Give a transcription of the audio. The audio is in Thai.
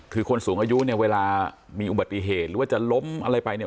คือคนสูงอายุเนี่ยเวลามีอุบัติเหตุหรือว่าจะล้มอะไรไปเนี่ย